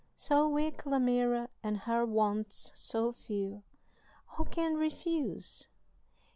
So weak Lamira and her wants so few Who can refuse?